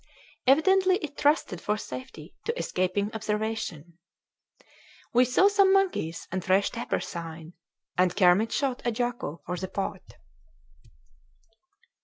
Evidently it trusted for safety to escaping observation. We saw some monkeys and fresh tapir sign, and Kermit shot a jacu for the pot.